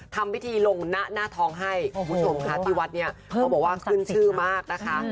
ทำพิธีลงหน้าทองให้คุณผู้ชมค่ะที่วัดเนี่ยเขาบอกว่าขึ้นชื่อมากนะคะ